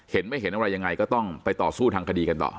เห็นไม่เห็นอะไรยังไงก็ต้องไปต่อสู้ทางคดีกันต่อ